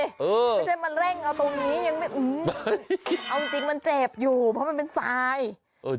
ไม่ใช่มาเร่งเอาตรงนี้ยังไม่เอาจริงจริงมันเจ็บอยู่เพราะมันเป็นทรายเออ